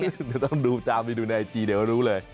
เดี๋ยวต้องดูตามไปดูในไอจีเดี๋ยวรู้เลย